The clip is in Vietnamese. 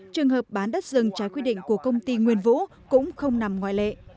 trường hợp bán đất rừng trái quy định của công ty nguyên vũ cũng không nằm ngoại lệ